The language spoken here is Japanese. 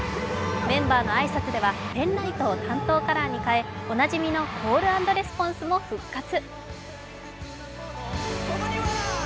メンバーの挨拶では、ペンライトを担当カラーに変えおなじみのコールアンドレスポンスも復活。